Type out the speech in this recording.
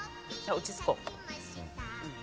落ち着こう。